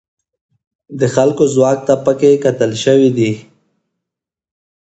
د خلکو ځواک ته پکې کتل شوي دي.